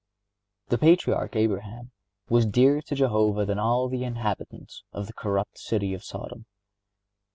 The Patriarch Abraham was dearer to Jehovah than all the inhabitants of the corrupt city of Sodom.